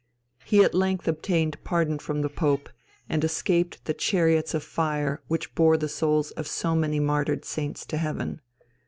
He at length obtained pardon from the Pope, and escaped the "chariots of fire" which bore the souls of so many martyred saints to heaven.